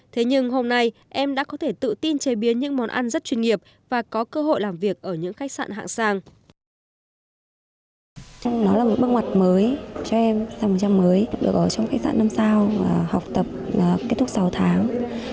thế nhưng hôm nay em đã có thể tự tin chế biến những món ăn rất chuyên nghiệp và có cơ hội làm việc ở những khách sạn hạng sang